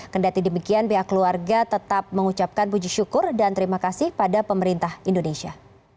kendati demikian pihak keluarga tetap mengucapkan puji syukur dan terima kasih pada pemerintah indonesia